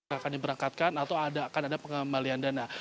akan diberangkatkan atau akan ada pengembalian dana